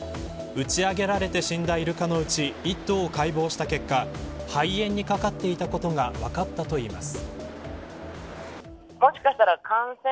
打ち上げられて死んだイルカのうち１頭を解剖した結果肺炎にかかっていたことが分かったといいます。